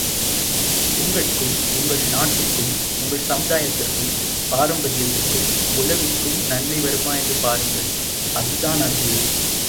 உங்கட்கும், உங்கள் நாட்டுக்கும், உங்கள் சமுதாயத்திற்கும், பாரம்பரியத்திற்கும், உலகுக்கும் நன்மை வருமா என்று பாருங்கள் அதுதான் அறிவு.